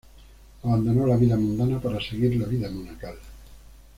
Abandonó la vida mundana para seguir la vida monacal.